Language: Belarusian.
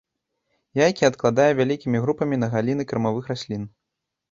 Яйкі адкладае вялікімі групамі на галіны кармавых раслін.